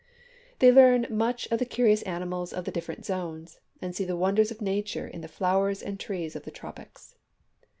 They learn much of the curious animals of the different zones, and see the wonders of nature in the flowers and trees of the tropics.